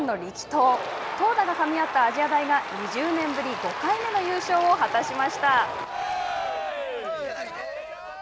投打がかみ合った亜細亜大が２０年ぶり５回目の優勝を果たしました。